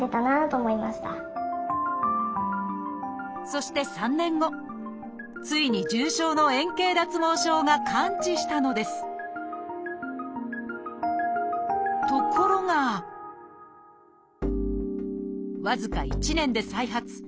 そして３年後ついに重症の円形脱毛症が完治したのですところが僅か１年で再発。